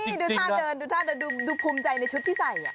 นี่ดูท่าเดินดูท่าเดินดูภูมิใจในชุดที่ใส่